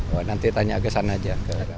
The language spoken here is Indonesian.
oh nanti tanya ke sana aja